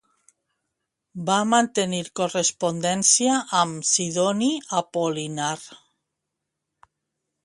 Va mantenir correspondència amb Sidoni Apol·linar.